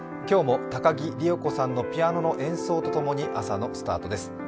今日も高木里代子さんのピアノの演奏と共に朝のスタートです。